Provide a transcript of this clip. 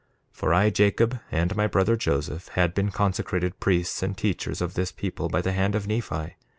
1:18 For I, Jacob, and my brother Joseph had been consecrated priests and teachers of this people, by the hand of Nephi.